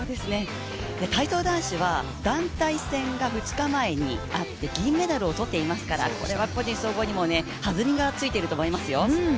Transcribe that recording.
体操男子は団体戦が２日前にあって銀メダルを取っていますからこれは個人総合にもはずみがついていると思いますよ。